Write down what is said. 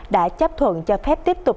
đã chấp thuận cho phép tiếp tục